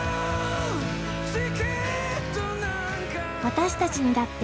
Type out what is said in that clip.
私たちにだって。